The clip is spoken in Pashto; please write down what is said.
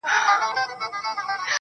د زمان رحم ـ رحم نه دی؛ هیڅ مرحم نه دی.